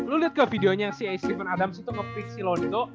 lu liat ga videonya si steven adams itu nge pick si lonzo